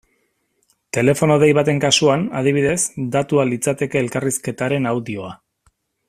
Telefono dei baten kasuan, adibidez, datua litzateke elkarrizketaren audioa.